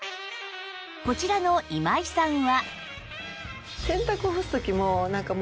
こちらの今井さんは